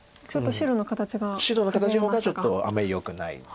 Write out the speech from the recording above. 白の形の方がちょっとあんまりよくない。